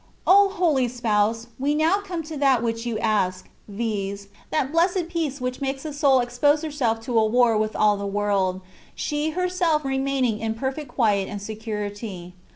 O HOLY Spouse ! we now come to that which you ask^ yiz., that blessed peace which makes a soul expose herself to a war with all the world, she herself remaining in perfect quiet and security.